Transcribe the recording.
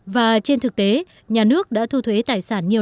và trên thực tế nhà nước đã thu thuế tài sản nhiều